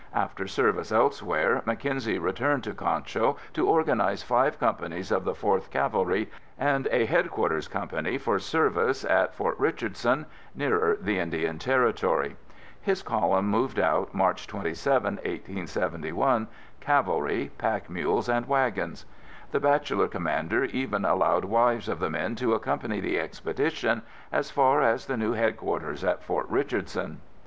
After service elsewhere, Mackenzie returned to Concho to organize five companies of the 4th Cavalry and a headquarters company for service at Fort Richardson, nearer the Indian Territory. His column moved out March 27, 1871, cavalry, pack mules and wagons. The bachelor commander even allowed wives of the men to accompany the expedition as far as the new headquarters at Fort Richardson.